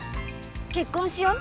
結婚しよう。